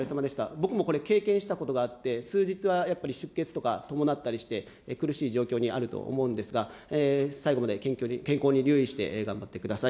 僕もこれ、経験したことがあって、数日はやっぱり出血とか伴ったりして、苦しい状況にあると思うんですが、最後まで健康に留意して頑張ってください。